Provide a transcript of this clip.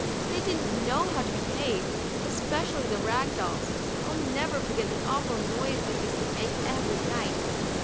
"They didn't know how to behave, especially the rag dolls. I'll never forget the awful noise they used to make every night.